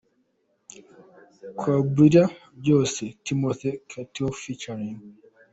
Khubira Byosi – Timothy Kitui ft.